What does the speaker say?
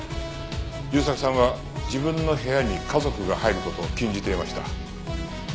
雄作さんは自分の部屋に家族が入る事を禁じていました。